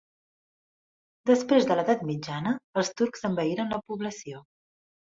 Després de l'edat mitjana els turcs envaïren la població.